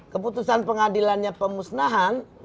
keputusan pengadilannya pemusnahan